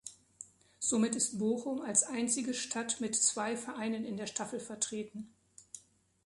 Somit ist Bochum als einzige Stadt mit zwei Vereinen in der Staffel vertreten.